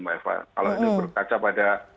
maaf kalau diperkaca pada